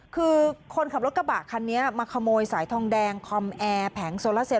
คือคนขับรถกระบะคันนี้มาขโมยสายทองแดงคอมแอร์แผงโซลาเซล